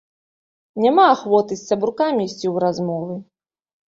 Няма ахвоты з сябрукамі ісці ў размовы.